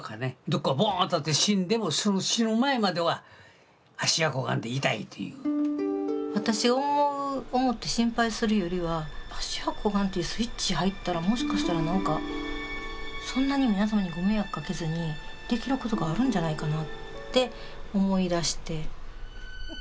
どっかボン当たって死んでも私が思って心配するよりは芦屋小雁っていうスイッチ入ったらもしかしたら何かそんなに皆様にご迷惑かけずにできることがあるんじゃないかなって思いだして。